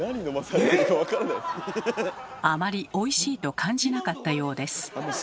あまりおいしいと感じなかったようです。